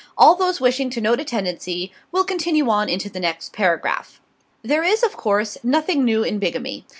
All those wishing to note a tendency will continue on into the next paragraph. There is, of course, nothing new in bigamy.